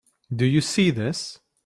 Do you see this?